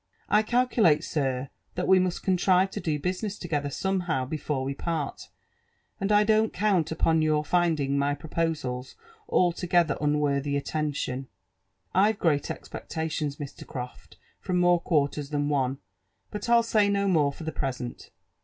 ••I calculate, sir, that We must contrive to do business together somehow before we part, and I don't count upon your finding my pro posals altogether unworthy attention. I've great expectations, Mr. Croft, from more quarters than one, but I'll say no more fpr the present.